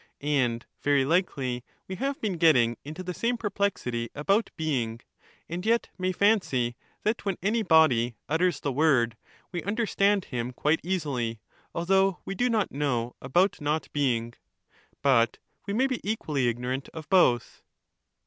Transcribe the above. And very likely we have been getting into the same perplexity about ' being,' and yet may fancy that when any body utters the word, we understand him quite easily, although we do not know about not being. But we may be equally ignorant of both.